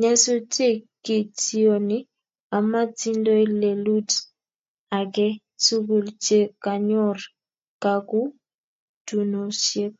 Nyasutik ki tiony ama tindoi lelut age tugul che kanyor kakutunosiek